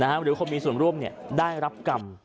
หรือคนมีส่วนร่วมได้รับกรรม